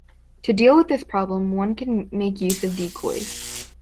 To deal with this problem, one can make use of decoys.